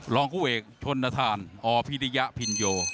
รองคู่เอกชนทานอพิริยพินโย